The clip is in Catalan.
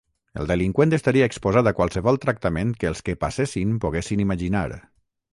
El delinqüent estaria exposat a qualsevol tractament que els que passessin poguessin imaginar.